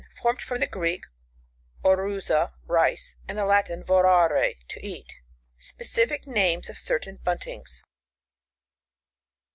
Formed from the Greek, oruza, rice, and the Latin, vorare^ to eat. Specific names of certain Buntings.